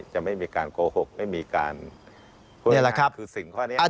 จะไม่มีการโกหกไม่มีการพูดง่ายคือสิ่งข้อนี้